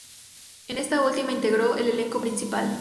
En esta última integró el elenco principal.